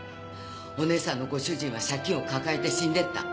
お姉さんのご主人は借金を抱えて死んでいった。